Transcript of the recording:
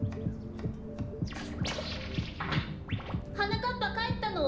はなかっぱかえったの？